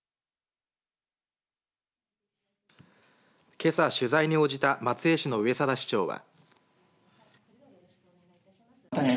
けさ取材に応じた松江市の上定市長は。